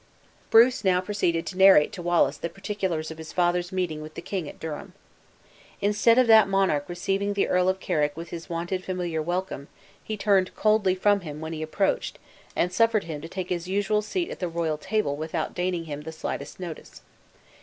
Bruce now proceeded to narrate to Wallace the particulars of his father's meeting with the king at Durham. Instead of that monarch receiving the Earl of Carrick with his wonted familiar welcome, he turned coldly from him when he approached, and suffered him to take his usual seat at the royal table without deigning him the slightest notice.